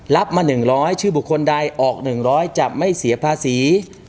รับมาหนึ่งร้อยชื่อบุคคลใดออกหนึ่งร้อยจะไม่เสียภาษี